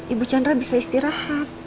ibu chandra bisa istirahat